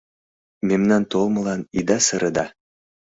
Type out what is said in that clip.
Мемнан толмылан ида сыре да